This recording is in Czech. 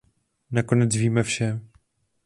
Nakonec víme vše.